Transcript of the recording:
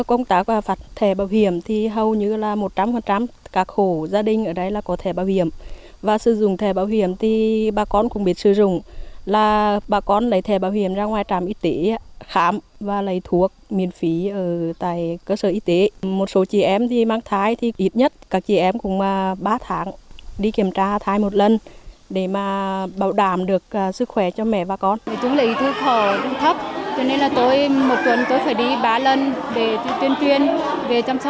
chúng là ý thức khỏe thấp cho nên là tôi một tuần tôi phải đi ba lần để tuyên truyền về chăm sóc sức khỏe ban đầu